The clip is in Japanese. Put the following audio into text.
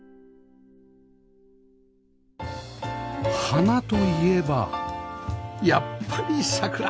花といえばやっぱり桜